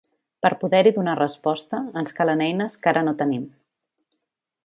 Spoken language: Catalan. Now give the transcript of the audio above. Per poder-hi donar resposta, ens calen eines que ara no tenim.